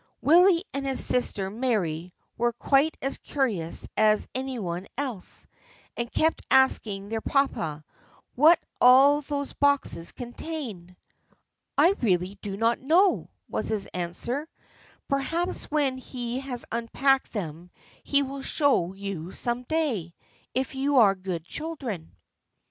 Willie and his sister Mary were quite as curious as any one else, and kept asking their papa what all those boxes contained. "I really do not know," was his answer; "perhaps when he has unpacked them he will show you some day, if you are good children."